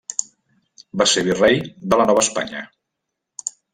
Va ser Virrei de la Nova Espanya.